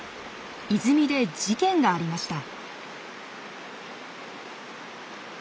泉で事件がありました。